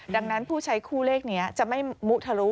ดังนั้นผู้ใช้คู่เลขนี้จะไม่มุทะลุ